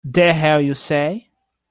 The hell you say!